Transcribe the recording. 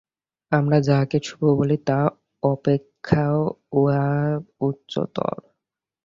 আমরা যাহাকে শুভ বলি, তাহা অপেক্ষাও উহা উচ্চতর।